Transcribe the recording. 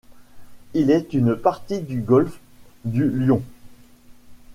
Il est une partie du golfe du Lion.